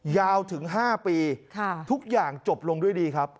ยาวถึง๕ปีทุกอย่างจบลงด้วยดีครับ